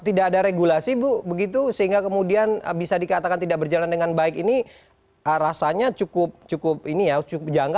tidak ada regulasi ibu begitu sehingga kemudian bisa dikatakan tidak berjalan dengan baik ini rasanya cukup janggal bukan